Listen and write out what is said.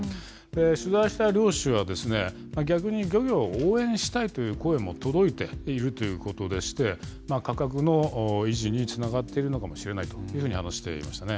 取材した漁師はですね、逆に漁業を応援したいという声も届いているということでして、価格の維持につながっているのかもしれないというふうに話していましたね。